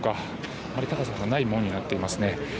あまり高さがない門になっています。